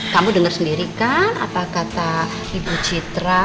kamu dengar sendiri kan apa kata ibu citra